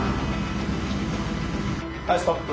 はいストップ。